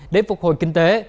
để phục hồi kinh tế